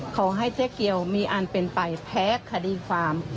ขอให้เจ๊เกียวมีอันเป็นไปแพ้คดีความ